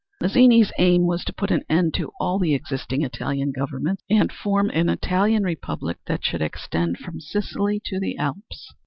Mazzini's aim was to put an end to all the existing Italian governments and form an Italian republic that should extend from Sicily to the Alps.